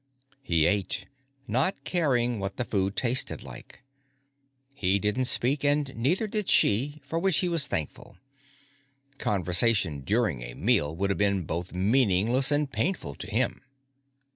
He ate, not caring what the food tasted like. He didn't speak, and neither did she, for which he was thankful. Conversation during a meal would have been both meaningless and painful to him.